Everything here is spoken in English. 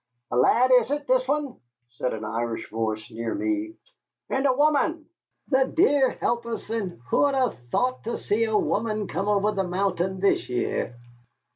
"A lad is it, this one," said an Irish voice near me, "and a woman! The dear help us, and who'd 'ave thought to see a woman come over the mountain this year!